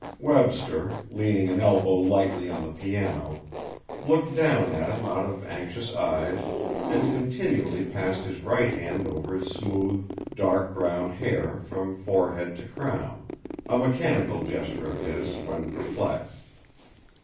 Webster, leaning an elbow lightly on the piano, looked down at him out of anxious eyes, and continually passed his right hand over his smooth, dark brown hair from forehead to crown, a mechanical gesture of his when perplexed.